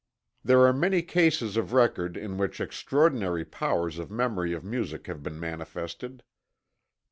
There are many cases of record in which extraordinary powers of memory of music have been manifested.